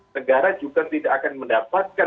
negara juga tidak akan mendapatkan